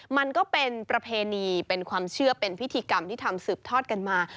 มันก็เป็นประเพณีเป็นความเชื่อเป็นพิธีกรรมที่ทำสืบทอดกันมา